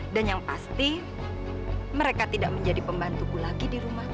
dan yang pasti mereka tidak menjadi pembantuku lagi di rumahku